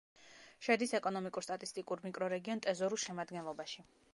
შედის ეკონომიკურ-სტატისტიკურ მიკრორეგიონ ტეზორუს შემადგენლობაში.